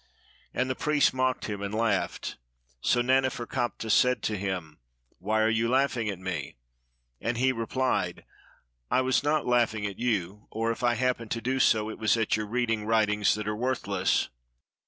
And the priest mocked him and laughed. So Naneferkaptah said to him, "Why are you laughing at me?" And he replied, "I was not laughing at you, or 48 THE MAGIC BOOK if I happened to do so, it was at your reading writings that are worthless.